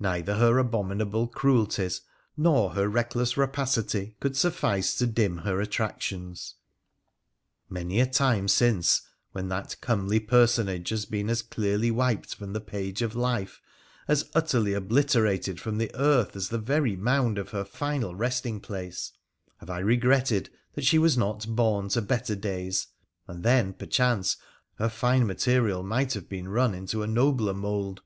Neither her abominable cruelties nor her reckless rapacity could suffice to dim her attractions — many a time since, when that comely personage has been as clearly wiped from the page of life, as utterly obliterated from the earth as the very mound of her final resting place, have I regretted that she was not born to better days, and then, perchance, her fine material might have been run into a nobler mould.